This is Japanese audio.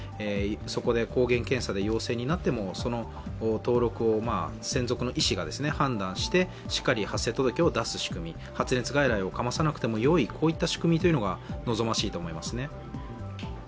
そこで抗原検査で陽性になってもその登録を専属の医師が判断してしっかり発生届を出す仕組み、発熱外来をかまさなくてもよい、こういった仕組みが望ましいと思いますね。